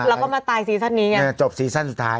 แล้วก็มาตายซีซั่นนี้เนี่ย